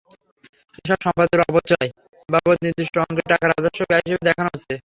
এসব সম্পদের অবচয় বাবদ নির্দিষ্ট অঙ্কের টাকা রাজস্ব ব্যয় হিসেবে দেখানো হচ্ছে।